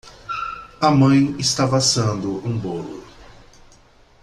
A mãe estava assando um bolo.